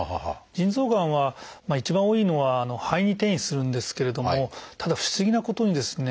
腎臓がんは一番多いのは肺に転移するんですけれどもただ不思議なことにですね